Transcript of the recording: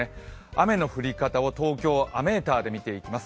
雨の降り方を東京、雨ーターで見ていきます。